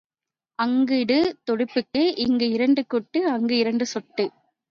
அங்கிடு தொடுப்பிக்கு இங்கு இரண்டுகுட்டு அங்கு இரண்டுசொட்டு.